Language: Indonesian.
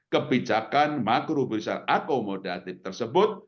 kebijakan makrobrissel akomodatif tersebut